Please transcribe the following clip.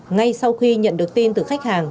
ngay sau khi nhận được tin từ khách hàng